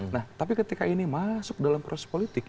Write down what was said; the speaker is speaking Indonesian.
nah tapi ketika ini masuk dalam proses politik